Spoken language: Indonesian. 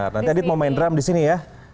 nanti adit mau main drum di sini ya